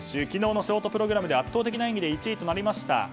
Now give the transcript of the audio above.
昨日のショートプログラムで圧倒的な演技で１位となりました。